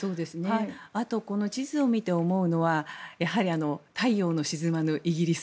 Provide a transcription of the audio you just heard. あと、この地図を見て思うのは太陽の沈まぬイギリス。